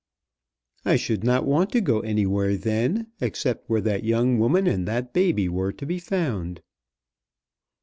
"I should not want to go anywhere then, except where that young woman and that baby were to be found."